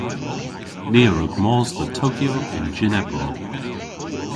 Ni a wrug mos dhe Tokyo yn jynn ebron.